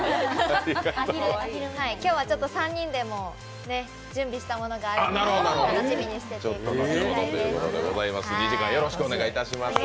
今日はちょっと３人でも準備したものがあるので楽しみにしていてください。